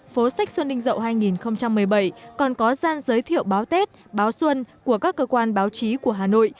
phố sách xuân ninh dậu hai nghìn một mươi bảy còn có gian giới thiệu báo tết báo xuân của các cơ quan báo chí của hà nội